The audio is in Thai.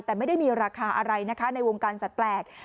แต่ไม่ได้มีราคาอะไรนะคะในวงการสัตว์แปลก